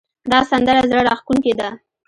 دا سندره زړه راښکونکې ده